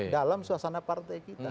dalam suasana partai kita